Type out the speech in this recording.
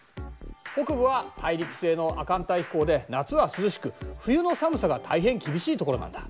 北部は大陸性の亜寒帯気候で夏は涼しく冬の寒さが大変厳しいところなんだ。